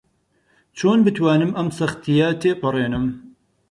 چۆن بتوانم ئەم سەختییە تێپەڕێنم؟